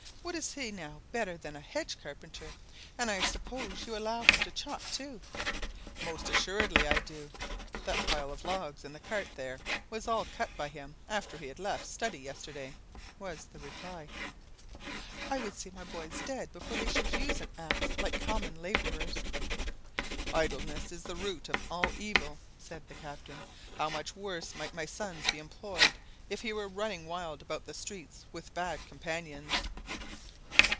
What is he now better than a hedge carpenter; and I suppose you allow him to chop, too?" "Most assuredly I do. That pile of logs in the cart there was all cut by him after he had left study yesterday," was the reply, "I would see my boys dead before they should use an axe like common labourers." "Idleness is the root of all evil," said the captain. "How much worse might my son be employed if he were running wild about streets with bad companions."